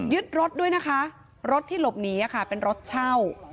รถด้วยนะคะรถที่หลบหนีเป็นรถเช่า